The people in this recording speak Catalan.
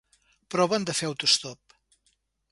Proven de fer autoestop.